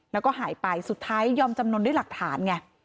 แล้วก็หายไปสุดท้ายยอมจำนวนด้วยหลักฐานไง